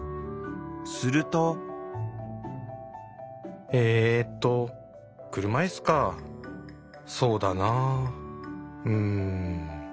すると「えーと車いすかそうだなぁうん」。